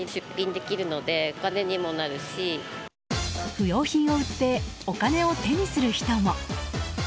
不用品を売ってお金を手にする人も。